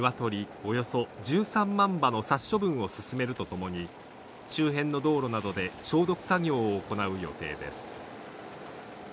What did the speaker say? およそ１３万羽の殺処分を進めるとともに、周辺の道路などで消毒作業を行う予定です。